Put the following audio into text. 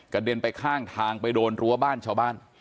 เด็นไปข้างทางไปโดนรั้วบ้านชาวบ้าน